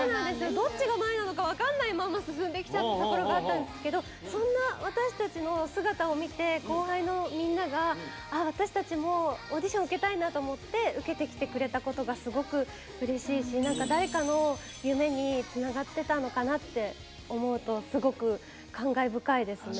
どっちが前なのか分かんないまんま進んできちゃったところがあったんですけどそんな私たちの姿を見て後輩のみんながあっ私たちもオーディション受けたいなと思って受けてきてくれたことがすごくうれしいし何か誰かの夢につながってたのかなって思うとすごく感慨深いですね。